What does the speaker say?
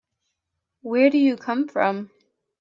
Where do you come from?